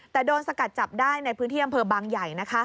แต่โดนสกัดจับได้ในพื้นที่อำเภอบางใหญ่นะคะ